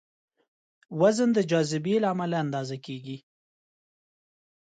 وزن د جاذبې له امله اندازه کېږي.